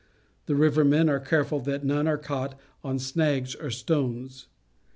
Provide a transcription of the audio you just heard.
The rivermen are careful that none are caught on snags or stones.